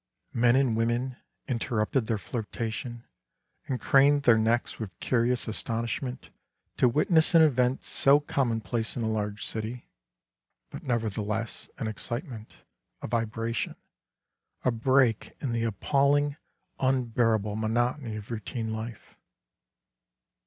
Men and women interrupted their flirtation 3 and craned their necks with curious astonishment to witness an event so commonplace in a large city, but nevertheless, an excitement, a vibration, a break in the appaling, un bearable monotony of routine life.